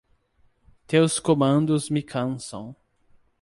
Teus comandos me cansam